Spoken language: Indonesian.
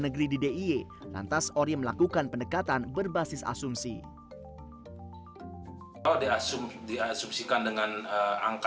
negeri di dia lantas ori melakukan pendekatan berbasis asumsi di asumsi asumsikan dengan angka